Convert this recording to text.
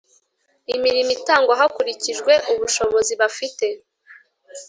imirimo itangwa hakurikijwe ubushobozi bafite.